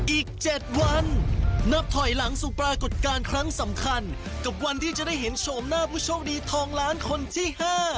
อีก๗วันนับถอยหลังสู่ปรากฏการณ์ครั้งสำคัญกับวันที่จะได้เห็นโฉมหน้าผู้โชคดีทองล้านคนที่๕